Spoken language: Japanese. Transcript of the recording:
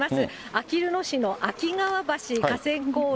あきる野市の秋川橋河川公園